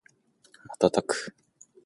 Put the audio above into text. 瞬く